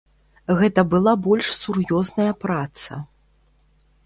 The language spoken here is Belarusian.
Гэта была больш сур'ёзная праца.